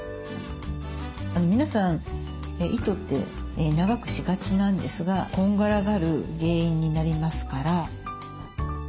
皆さん糸って長くしがちなんですがこんがらがる原因になりますから。